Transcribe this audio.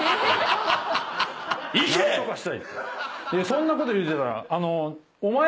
そんなこと言うてたら。